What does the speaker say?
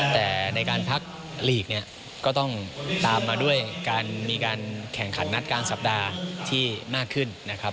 แต่ในการพักลีกเนี่ยก็ต้องตามมาด้วยการมีการแข่งขันนัดกลางสัปดาห์ที่มากขึ้นนะครับ